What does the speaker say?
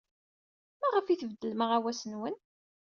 Maɣef ay tbeddlem aɣawas-nwen?